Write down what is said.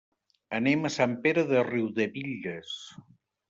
Anem a Sant Pere de Riudebitlles.